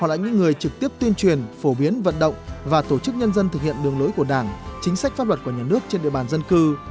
là những người trực tiếp tuyên truyền phổ biến vận động và tổ chức nhân dân thực hiện đường lối của đảng chính sách pháp luật của nhà nước trên địa bàn dân cư